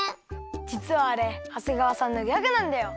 じつはあれ長谷川さんのギャグなんだよ！